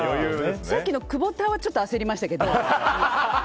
さっきのクボターはちょっと焦りましたけど。